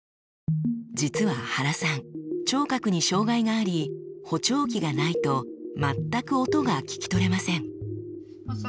実は原さん聴覚に障がいがあり補聴器がないと全く音が聞き取れません。